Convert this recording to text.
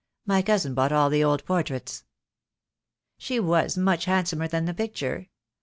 My cousin bought all the old portraits." "She was much handsomer than the picture.